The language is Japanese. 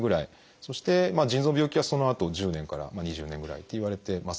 そして腎臓の病気はそのあと１０年から２０年ぐらいっていわれてますね。